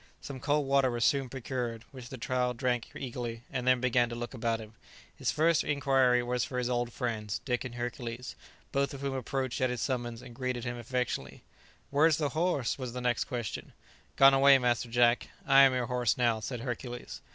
Some cold water was soon procured, which the child drank eagerly, and then began to look about him. His first inquiry was for his old friends, Dick and Hercules, both of whom approached at his summons and greeted him affectionately. "Where is the horse?" was the next question. "Gone away, Master Jack; I am your horse now," said Hercules.